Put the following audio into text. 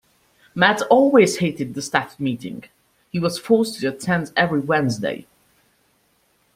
Matt always hated the staff meeting he was forced to attend every Wednesday